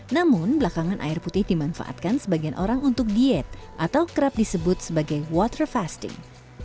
namun belakangan air putih dimanfaatkan sebagian orang untuk diet atau kerap disebut sebagai water fasting